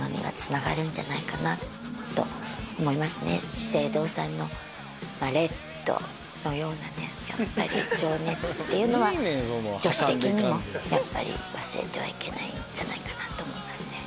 資生堂さんのレッドのような情熱っていうのは女子的にもやっぱり忘れてはいけないと思いますね。